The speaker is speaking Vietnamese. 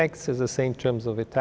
các công ty việt